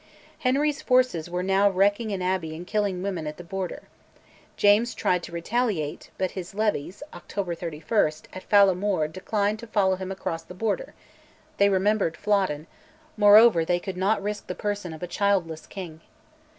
Henry's forces were now wrecking an abbey and killing women on the Border. James tried to retaliate, but his levies (October 31) at Fala Moor declined to follow him across the Border: they remembered Flodden, moreover they could not risk the person of a childless king.